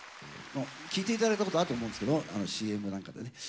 聴いて頂いたことあると思うんですけどＣＭなんかでね。